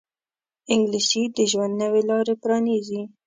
انګلیسي د ژوند نوې لارې پرانیزي